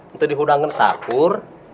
untuk dihudangkan sahur